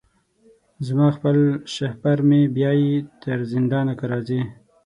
زما خپل شهپر مي بیايي تر زندانه که راځې